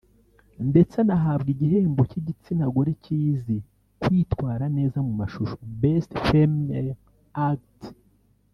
Ndetse anahabwa igihembo cy’igitsina gore kizi kwitwara neza mu mashusho “Best Female Act”